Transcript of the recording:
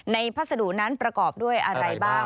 พัสดุนั้นประกอบด้วยอะไรบ้าง